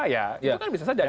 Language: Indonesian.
ya itu kan bisa saja